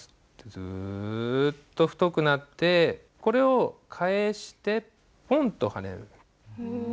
ズッと太くなってこれを返してポンとはねる。